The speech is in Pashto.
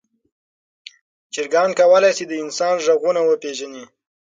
چرګان کولی شي د انسان غږونه وپیژني.